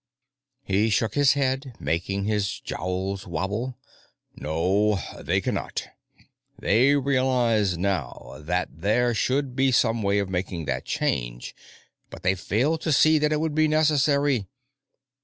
He shook his head, making his jowls wobble. "No, they cannot. They realize now that there should be some way of making that change, but they failed to see that it would be necessary.